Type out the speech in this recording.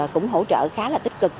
cũng hỗ trợ khá là tích cực